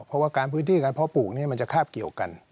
เพราะว่าการพื้นที่การเพาะปลูกนี้มันจะคาบเกี่ยวกัน